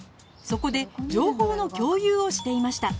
そこで情報の共有をしていました